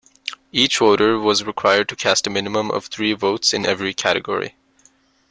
Each voter was required to cast a minimum of three votes in every category.